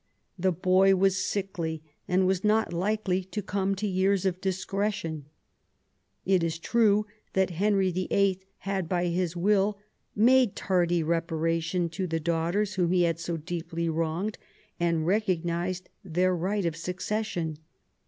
The boy was sickly, and was not likely to come to years of discretion. f It is true that Henry VIII. had, by his will, made ; tardy reparation to the daughters whom he had so , I deeply wronged, and recognised their right of suc cession.